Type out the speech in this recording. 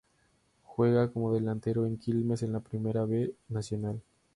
Juega como delantero en Quilmes de la Primera B Nacional.